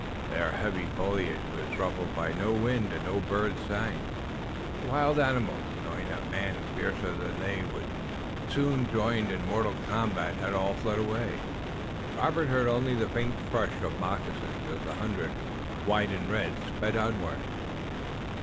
Their heavy foliage was ruffled by no wind, and no birds sang. The wild animals, knowing that man, fiercer than they, would soon join in mortal combat, had all fled away. Robert heard only the faint crush of moccasins as the hundred, white and red, sped onward.